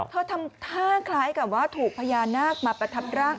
ทำท่าคล้ายกับว่าถูกพญานาคมาประทับร่าง